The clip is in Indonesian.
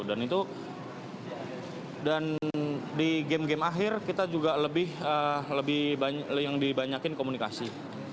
dan itu dan di game game akhir kita juga lebih yang dibanyakin komunikasi